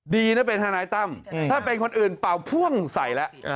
ดีนะเป็นทนายตั้มถ้าเป็นคนอื่นเป่าพ่วงใส่แล้ว